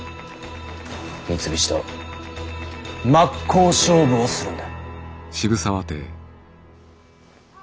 三菱と真っ向勝負をするんだ。